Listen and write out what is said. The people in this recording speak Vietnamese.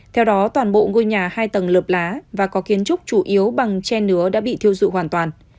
theo đó toàn bộ ngôi nhà hai tầng lợp lá và có kiến trúc chủ yếu bằng che nứa đã bị thiêu dụ hoàn toàn